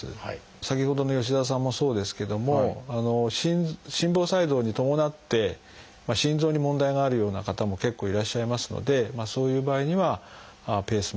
先ほどの吉澤さんもそうですけども心房細動に伴って心臓に問題があるような方も結構いらっしゃいますのでそういう場合にはペースメーカーを植え込むと。